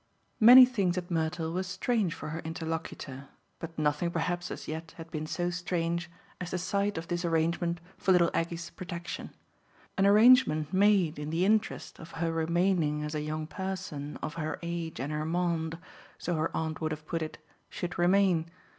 IV Many things at Mertle were strange for her interlocutor, but nothing perhaps as yet had been so strange as the sight of this arrangement for little Aggie's protection; an arrangement made in the interest of her remaining as a young person of her age and her monde so her aunt would have put it should remain.